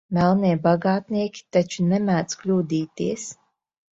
Melnie bagātnieki taču nemēdz kļūdīties.